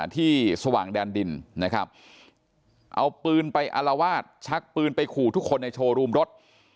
ที่สว่างแดนดินนะครับเอาปืนไปอารวาสชักปืนไปขู่ทุกคนในโชว์รูมรถ